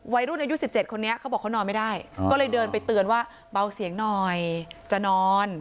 อายุ๑๗คนนี้เขาบอกเขานอนไม่ได้ก็เลยเดินไปเตือนว่าเบาเสียงหน่อยจะนอน